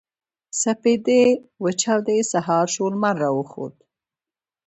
د سپـېدې وچـاودې سـهار شـو لمـر راوخـت.